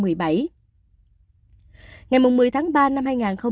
ngày một mươi tháng ba năm hai nghìn hai mươi